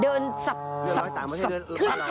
เดินสับขึ้นทัดโบ๊คเลยหรือคะ